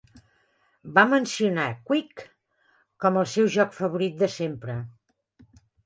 Va mencionar Quake com el seu joc favorit de sempre.